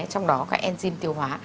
trong đó các enzyme tiêu hóa